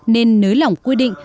nên nới lỏng quy định